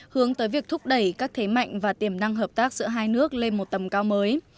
hướng tới việc thúc đẩy các thế mạnh và tiềm năng hợp tác giữa hai nước lên một tầm cao mới